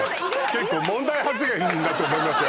結構問題発言だと思いますよ